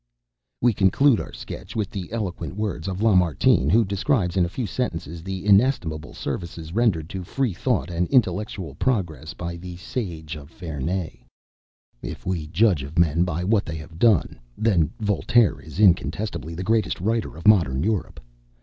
We conclude our sketch with the eloquent words of Lamartine, who describes, in a few sentences, the inestimable services rendered to Freethought and intellectual progression by the Sage of Ferney: "If we judge of men by what they have done, then Voltaire is incontestably the greatest writer of modern Europe.